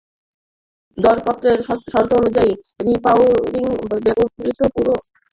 দরপত্রের শর্ত অনুযায়ী, রি-পাওয়ারিংয়ে ব্যবহূত পুরোনো যন্ত্রপাতিরও দুই বছরের নিশ্চয়তা ঠিকাদার দেবে।